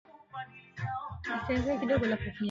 kuendelea kupiga kampeni maana tunalo jukumu